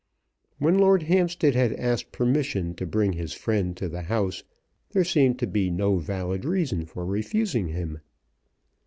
When Lord Hampstead had asked permission to bring his friend to the house there seemed to be no valid reason for refusing him.